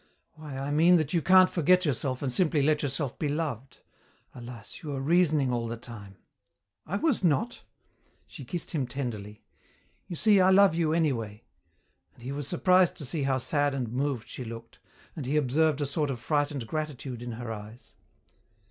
"Why, I mean that you can't forget yourself and simply let yourself be loved. Alas, you were reasoning all the time " "I was not!" She kissed him tenderly. "You see I love you, anyway." And he was surprised to see how sad and moved she looked, and he observed a sort of frightened gratitude in her eyes.